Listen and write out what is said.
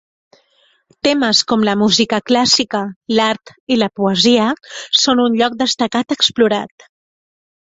Temes com la música clàssica, l'art i la poesia són un lloc destacat explorat.